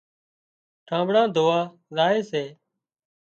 ٺانٻڙان ڌووا زائي سي